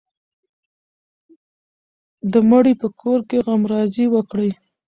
د مړي په کور کې غمرازي وکړئ.